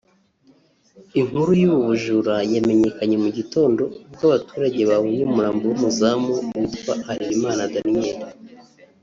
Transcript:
Inkuru y’ubu bujura yamenyekanye mu gitondo ubwo abaturage babonye umurambo w’muzamu witwa Halerimana Daniel